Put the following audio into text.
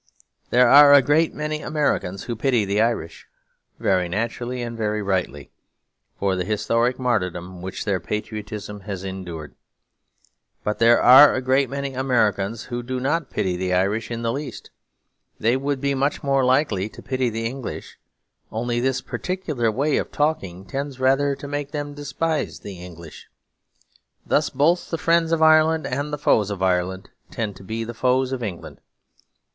There are a great many Americans who pity the Irish, very naturally and very rightly, for the historic martyrdom which their patriotism has endured. But there are a great many Americans who do not pity the Irish in the least. They would be much more likely to pity the English; only this particular way of talking tends rather to make them despise the English. Thus both the friends of Ireland and the foes of Ireland tend to be the foes of England.